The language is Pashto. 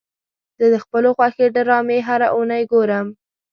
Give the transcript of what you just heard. زه د خپلو خوښې ډرامې هره اونۍ ګورم.